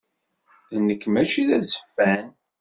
Nekk mačči d azeffan.